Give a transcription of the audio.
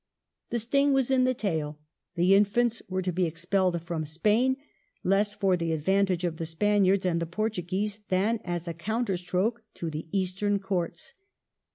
The sting was in the tail. The Infants were to be ex pelled from Spain, less for the advantage of the Spaniards and the Portuguese than as a counterstroke to the Eastern Courts.